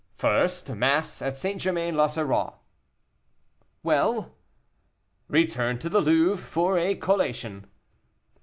"First, mass at St. Germain l'Auxerrois." "Well?" "Return to the Louvre, for a collation."